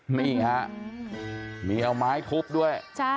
มียังไม้ถูกด้วย